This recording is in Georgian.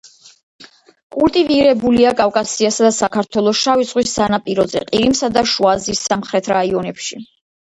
კულტივირებულია კავკასიასა და საქართველოს შავი ზღვის სანაპიროზე, ყირიმსა და შუააზიის სამხრეთ რაიონებში.